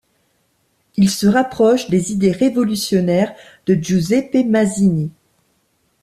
Il se rapproche des idées révolutionnaires de Giuseppe Mazzini.